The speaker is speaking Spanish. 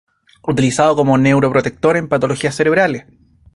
Utilizado como Neuro-protector en patologías cerebrales.